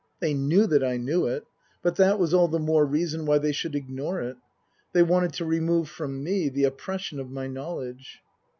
They knew that I knew it ; but that was all the more reason why they should ignore it ; they wanted to remove from me the oppression of my knowledge.